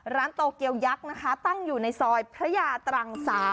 โตเกียวยักษ์นะคะตั้งอยู่ในซอยพระยาตรัง๓